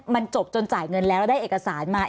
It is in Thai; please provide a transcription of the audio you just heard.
มันจบจนจ่ายเงินแล้วได้เอกสารมา